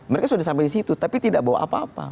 mereka sudah sampai di situ tapi tidak bawa apa apa